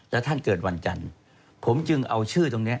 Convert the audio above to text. แล้วท่านเกิดวันจันทร์ผมจึงเอาชื่อตรงนี้